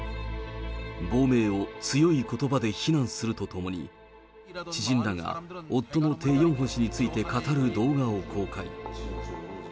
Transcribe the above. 亡命を強いことばで非難するとともに、知人らが、夫のテ・ヨンホ氏について語る動画を公開。